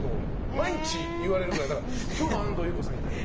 毎日言われるのだから今日も安藤優子さんいたよ。